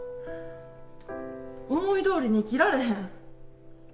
思いどおりに生きられへん。